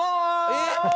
「えっ！